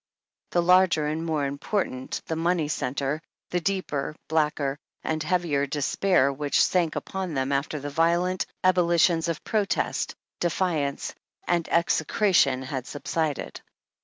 The larger and more important the money centre, the deeper, blacker and heavier the despair which sank upon them after the violent ebullitions of pro« test, defiance and execration had subsided.